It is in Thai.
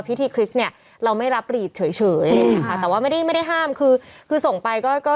พิธีคริสต์เนี้ยเราไม่รับฤทธิ์เฉยเฉยคือค่ะแต่ว่าไม่ได้ไม่ได้ห้ามคือคือส่งไปก็